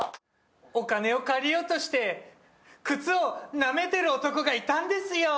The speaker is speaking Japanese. お金を借りようとして靴をなめてる男がいたんですよ。